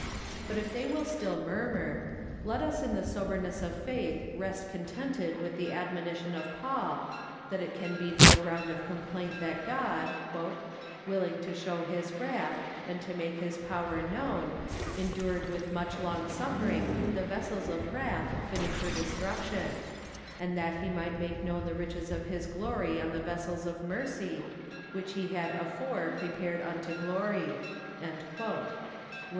But if they will still murmur, let us in the soberness of faith rest contented with the admonition of Paul, that it can be no ground of complaint that God, "willing to show his wrath, and to make his power known, endured with much long suffering the vessels of wrath fitted for destruction: and that he might make known the riches of his glory on the vessels of mercy, which he had afore prepared unto glory" (Rom.